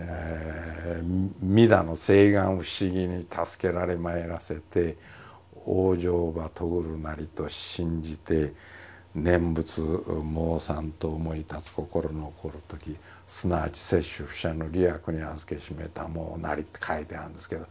「弥陀の誓願不思議にたすけられまいらせて往生をばとぐるなりと信じて念仏もうさんとおもいたつこころのおこるときすなわち摂取不捨の利益にあづけしめたもうなり」って書いてあるんですけど。